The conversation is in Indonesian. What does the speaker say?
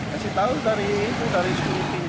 kasih tahu dari sekuriti